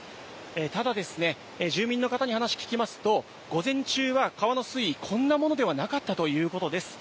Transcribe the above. ただ、住民の方に話聞きますと、午前中は川の水位、こんなものではなかったということです。